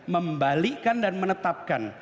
membalikkan dan menetapkan